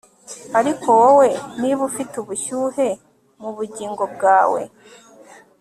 ariko wowe, niba ufite ubushyuhe mubugingo bwawe